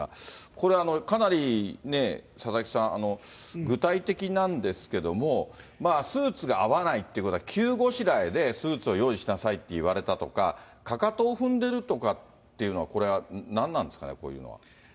これ、かなり佐々木さん、具体的なんですけども、まあ、スーツが合わないっていうことは、急ごしらえでスーツを用意しなさいって言われたとか、かかとを踏んでるとかっていうのは、これは何なんですかね、こういうのは。